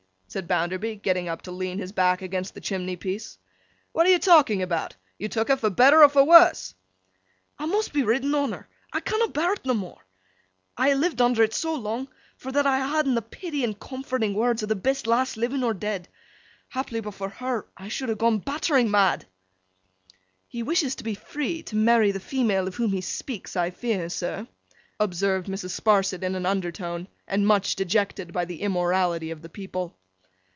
said Bounderby, getting up to lean his back against the chimney piece. 'What are you talking about? You took her for better for worse.' 'I mun' be ridden o' her. I cannot bear 't nommore. I ha' lived under 't so long, for that I ha' had'n the pity and comforting words o' th' best lass living or dead. Haply, but for her, I should ha' gone battering mad.' 'He wishes to be free, to marry the female of whom he speaks, I fear, sir,' observed Mrs. Sparsit in an undertone, and much dejected by the immorality of the people.